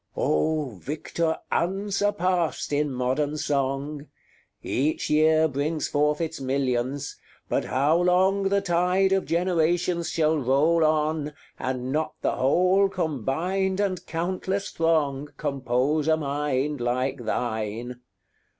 Oh, victor unsurpassed in modern song! Each year brings forth its millions; but how long The tide of generations shall roll on, And not the whole combined and countless throng Compose a mind like thine?